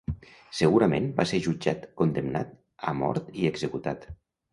Segurament va ser jutjat, condemnat a mort i executat.